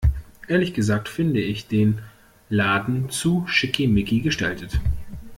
Ehrlich gesagt finde ich den Laden zu schickimicki gestaltet.